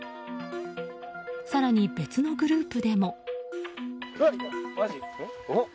更に、別のグループでも。